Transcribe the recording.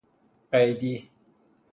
قیدی